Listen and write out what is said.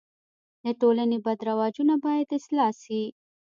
د ټولني بد رواجونه باید اصلاح سي.